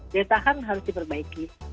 daya tahan harus diperbaiki